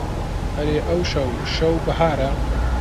ئەرێ ئەوشەو شەو بەهارە